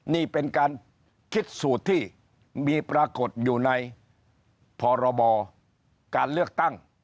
นี่เป็นการคิดสูตรที่มีปรากฏอยู่ในพรบการเลือกตั้ง